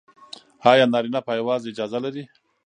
ایا نارینه پایواز اجازه لري؟